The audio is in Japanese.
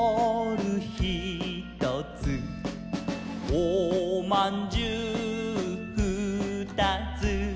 「おまんじゅうふーたつ」